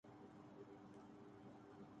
میں اپنی اگلی سالگرہ پر سولہ سال کی ہو جائو گی